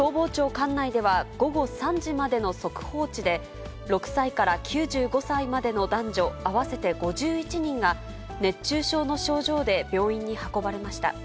管内では、午後３時までの速報値で、６歳から９５歳までの男女合わせて５１人が、熱中症の症状で病院に運ばれました。